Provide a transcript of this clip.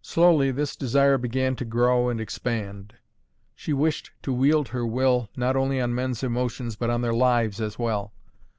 Slowly this desire began to grow and expand. She wished to wield her will, not only on men's emotions, but upon their lives as well.